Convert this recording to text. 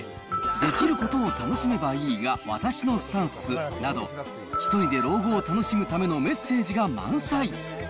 できることを楽しめばいいが私のスタンスなど、ひとりで老後を楽しむためのメッセージが満載。